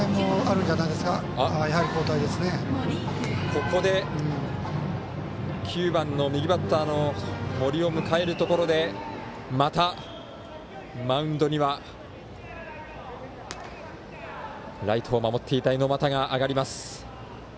ここで９番の右バッターの森を迎えるところでまたマウンドにはライトを守っていた猪俣が上がります。